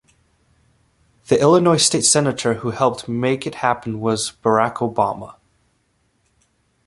The Illinois state senator who helped make it happen was Barack Obama.